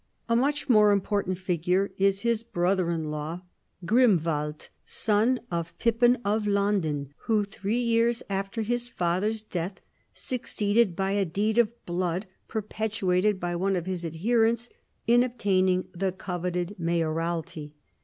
A much more important figure is his brother ia la^y, Grimwald, son of Pippin of Landen, who three years after liis father's death succeeded by a deed of blood perpetrated by one of his adherents, in ob taining the coveted mayoralty.